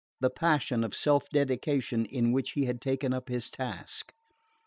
the passion of self dedication in which he had taken up his task.